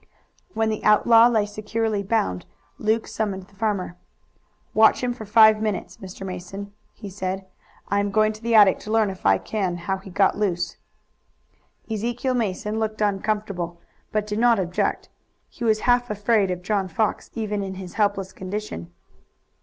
When the outlaw lay securely bound Luke summoned the farmer. "Watch him for five minutes, Mr. Mason," he said. "I am going to the attic to learn if I can how he got loose." Ezekiel Mason looked uncomfortable, but did not object. He was half afraid of John Fox even in his helpless condition.